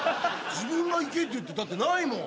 自分が「いけ」って言ってだってないもん。